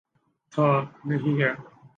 تھا، نہیں ہے۔